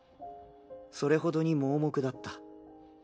それほどに盲目だった。